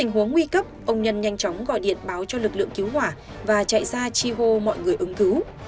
tình huống nguy cấp ông nhân nhanh chóng gọi điện báo cho lực lượng cứu hỏa và chạy ra chi hô mọi người ứng cứu